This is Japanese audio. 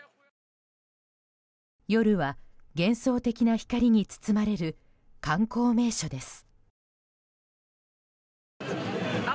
夜は幻想的な光に包まれる観光名所です。